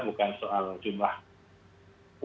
bukan soal jumlah kasus